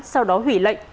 sau đó hủy lệnh